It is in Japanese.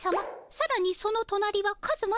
さらにそのとなりはカズマさま。